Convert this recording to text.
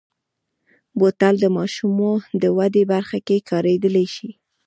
بوتل د ماشومو د ودې برخه کې کارېدلی شي.